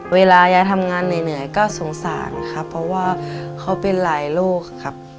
เวลายายทำงานเหนื่อยก็สงสารครับเพราะว่าเขาเป็นหลายโรคครับ